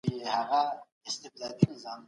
که مجازي ټولګي وي، زده کوونکي ډله ییز کار زده کوي.